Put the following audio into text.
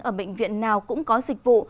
ở bệnh viện nào cũng có dịch vụ